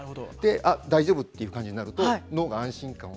大丈夫っていう感じになると脳が安心感を。